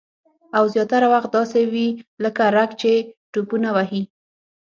او زیاتره وخت داسې وي لکه رګ چې ټوپونه وهي